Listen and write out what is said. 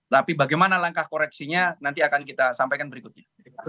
tapi bagaimana langkah koreksinya nanti akan kita sampaikan berikutnya